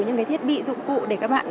những cái thiết bị dụng cụ để các bạn